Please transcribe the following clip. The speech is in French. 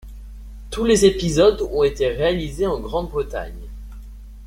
Tous les épisodes ont été réalisés en Grande-Bretagne.